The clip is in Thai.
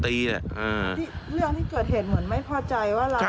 ที่เรื่องที่เกิดเหตุเหมือนไม่พอใจว่าเรา